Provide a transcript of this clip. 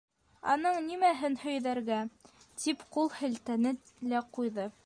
«Аның нимәһен һөйҙәргә?!» - тип ҡул һелтәне лә ҡуйҙы.